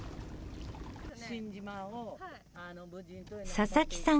佐々木さん